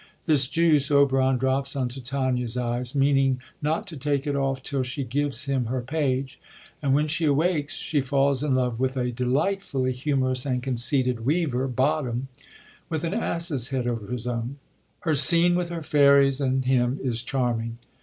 This juice, Oberon drops on Titania's eyes, meaning not to take it off till she g^ves him her page ; and when she awakes, she falls in love with a delightfully humorous and conceited weaver. Bottom, with an ass's head over his own. Her scene with her fairies and him is charm ing.